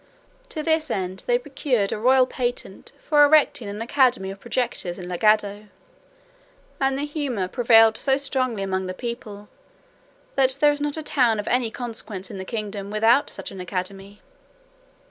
To this end, they procured a royal patent for erecting an academy of projectors in Lagado; and the humour prevailed so strongly among the people, that there is not a town of any consequence in the kingdom without such an academy.